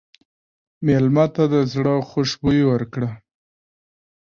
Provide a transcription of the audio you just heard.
مېلمه ته د زړه خوشبويي ورکړه.